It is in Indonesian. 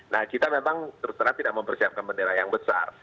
nah kita memang terus terang tidak mempersiapkan bendera yang besar